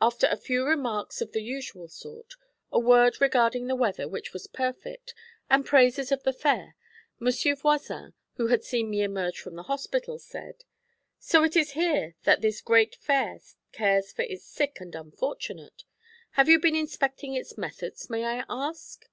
After a few remarks of the usual sort, a word regarding the weather, which was perfect, and praises of the Fair, Monsieur Voisin, who had seen me emerge from the hospital, said: 'So it is here that this great Fair cares for its sick and unfortunate? Have you been inspecting its methods, may I ask?'